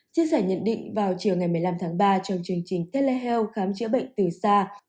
chia sẻ nhận định vào chiều ngày một mươi năm tháng ba trong chương trình telehealth khám chữa bệnh từ xa